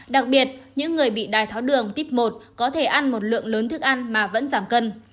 đặc biệt những người bị đài tháo đường tuyếp một có thể ăn một lượng lớn thức ăn mà vẫn giảm cân